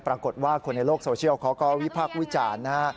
ปรากฏว่าคนในโลกโซเชียลเขาก็วิพากษ์วิจารณ์นะฮะ